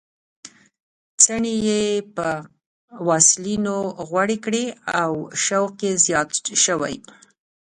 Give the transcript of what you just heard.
څڼې یې په واسلینو غوړې کړې او شوق یې زیات شوی.